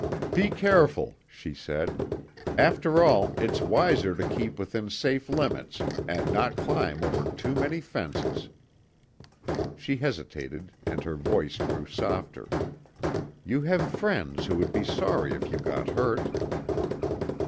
"Be careful!" she said. "After all, it's wiser to keep within safe limits, and not climb over too many fences." She hesitated, and her voice grew softer. "You have friends who would be sorry if you got hurt."